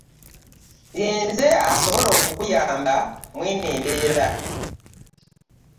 Yenze asobola okukuyamba mweno embeera.